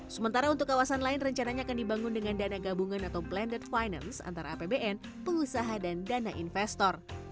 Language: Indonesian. sementara untuk kawasan lain rencananya akan dibangun dengan dana gabungan atau blended finance antara apbn pengusaha dan dana investor